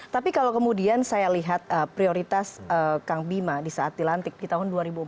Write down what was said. tapi kalau kemudian saya lihat prioritas kang bima di saat dilantik di tahun dua ribu empat belas